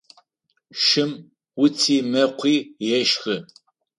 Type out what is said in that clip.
Шым уци мэкъуи ешхы.